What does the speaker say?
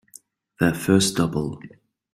Their first double.